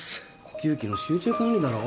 呼吸器の集中管理だろ？